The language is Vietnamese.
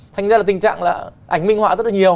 thành ra là tình trạng là ảnh minh họa rất là nhiều